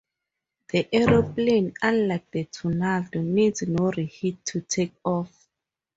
The aeroplane, unlike the Tornado, needs no reheat to take off.